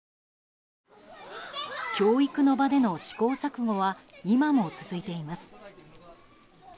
教育の場での試行錯誤は今も続いています。